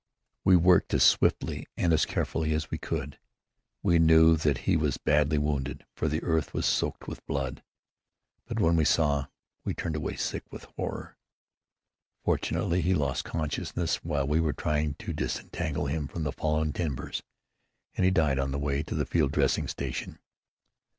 We worked as swiftly and as carefully as we could. We knew that he was badly wounded, for the earth was soaked with blood; but when we saw, we turned away sick with horror. Fortunately, he lost consciousness while we were trying to disentangle him from the fallen timbers, and he died on the way to the field dressing station.